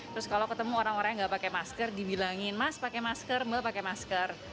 terus kalau ketemu orang orang yang nggak pakai masker dibilangin mas pakai masker mbak pakai masker